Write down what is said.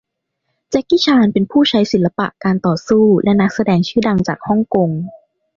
แจ็คกี้ชานเป็นผู้ใช้ศิลปะการต่อสู้และนักแสดงชื่อดังจากฮ่องกง